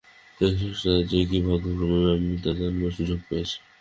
সেই শ্রেষ্ঠতা যে কী, ভাগ্যক্রমে আমি তা জানবার সুযোগ পেয়েছি।